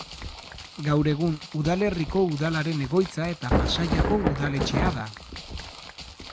Gaur egun udalerriko udalaren egoitza eta Pasaiako udaletxea da.